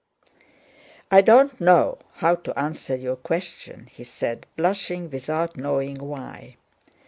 "I don't know how to answer your question," he said, blushing without knowing why.